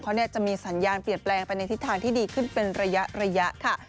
เขาจะมีสัญญาณเปลี่ยนแปลงไปในทิศทางที่ดีขึ้นเป็นระยะค่ะ